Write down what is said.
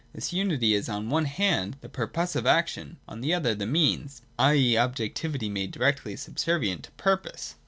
This unity is on one hand the purposive action, on the other the Means, i.e. objectivity made directly subservient to purpose.